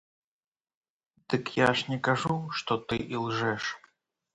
Дык я ж не кажу, што ты ілжэш!